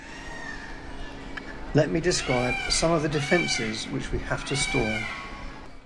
Let me describe some of the defenses which we have to storm.